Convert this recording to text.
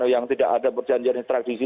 yang tidak ada perjanjian tradisi